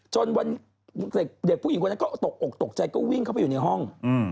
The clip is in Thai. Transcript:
จนเด็กผู้หญิงก็ก็ตกใจก็วิ่งเข้าไปอยู่ในห้อง